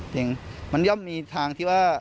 จริงมันย่อมมีทางที่ว่า